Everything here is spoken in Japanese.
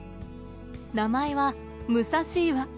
名前は、武蔵岩。